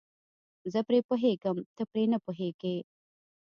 زه پرې پوهېږم ته پرې نه پوهیږې.